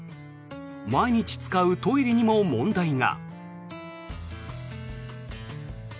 毎日使うトイレにも問題が。